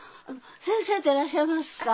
先生でいらっしゃいますか？